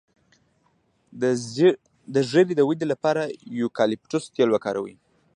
د ږیرې د ودې لپاره د یوکالیپټوس تېل وکاروئ